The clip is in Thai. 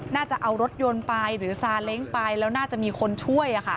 น่าจะเอารถยนต์ไปหรือซาเล้งไปแล้วน่าจะมีคนช่วย